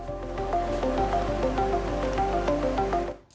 berita terkini mengenai cuaca ekstrem dua ribu dua puluh satu